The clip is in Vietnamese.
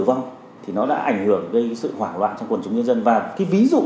đó chính là đại dịch tin giả về covid một mươi chín